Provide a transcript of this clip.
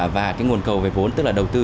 và cái nguồn cầu về vốn tức là đầu tư